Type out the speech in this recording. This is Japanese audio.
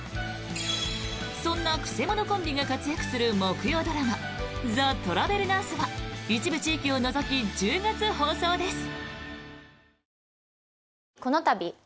そんな曲者コンビが活躍する木曜ドラマ「ザ・トラベルナース」は一部地域を除き１０月放送です。